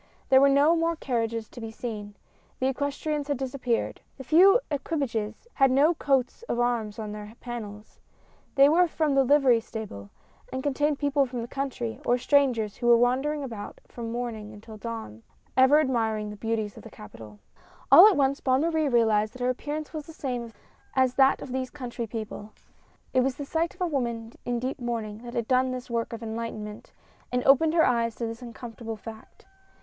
There were no more carriages to be seen — the equestrians had disap peared — the few equipages had no coats of arms on their panels — they were from the livery stable, and contained people from the country, or strangers who were wandering about from morning until dawn, ever admiring the beauties of the capital. All at once Bonne Marie realized that her appear ance was the same as that of these country people. It was the sight of a woman in deep mourning that had done this work of enlightenment, and opened her eyes to this uncomfortable fact.